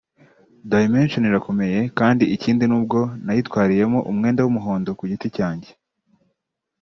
Dimension irakomeye kandi ikindi nubwo nayitwariyemo umwenda w’umuhondo ku giti cyanje